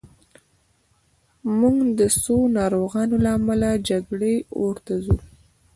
موږ د څو ناروغانو له امله د جګړې اور ته ځو